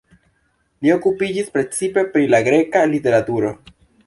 Li okupiĝis precipe pri la greka literaturo.